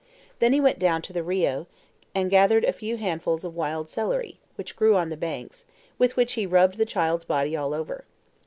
Then he went down to the RIO, and gathered a few handfuls of wild celery, which grew on the banks, with which he rubbed the child's body all over.